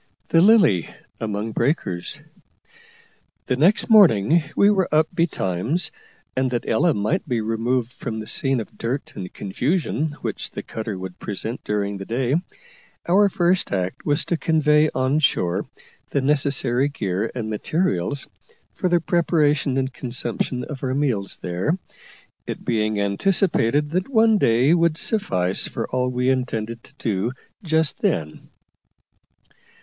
THE "LILY" AMONG BREAKERS. The next morning we were up betimes, and, that Ella might be removed from the scene of dirt and confusion which the cutter would present during the day, our first act was to convey on shore the necessary gear and materials for the preparation and consumption of our meals there, it being anticipated that one day would suffice for all we intended to do just then.